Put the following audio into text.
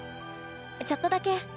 ちょっとだけ。